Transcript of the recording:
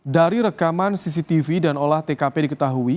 dari rekaman cctv dan olah tkp diketahui